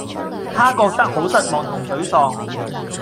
她覺得好失望同沮喪